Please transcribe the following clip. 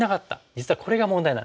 実はこれが問題なんです。